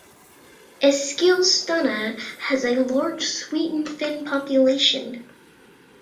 Eskilstuna has a large Sweden Finn population.